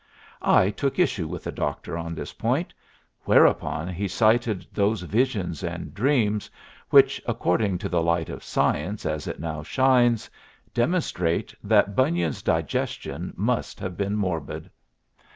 I took issue with the doctor on this point; whereupon he cited those visions and dreams, which, according to the light of science as it now shines, demonstrate that Bunyan's digestion must have been morbid.